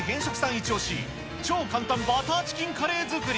一押し、超簡単バターチキンカレー作り。